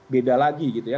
beda lagi gitu ya